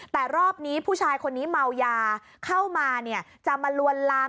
แต่รอบนี้ผู้ชายคนนี้เมายาเข้ามาเนี่ยจะมาลวนลาม